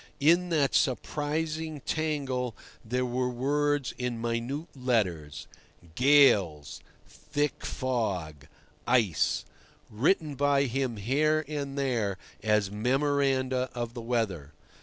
In that surprising tangle there were words in minute letters—"gales," "thick fog," "ice"—written by him here and there as memoranda of the weather.